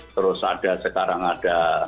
terus ada sekarang ada